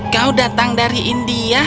kau datang dari india